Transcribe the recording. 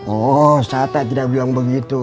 oh sata tidak bilang begitu